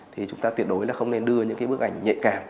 thì chúng ta tuyệt đối là không nên đưa những cái bức ảnh nhạy cảm